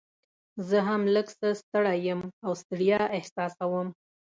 زه هم لږ څه ستړی یم او ستړیا احساسوم.